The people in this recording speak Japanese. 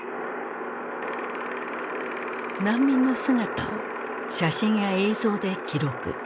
難民の姿を写真や映像で記録。